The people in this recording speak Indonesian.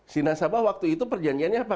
si nasabah waktu itu perjanjiannya apa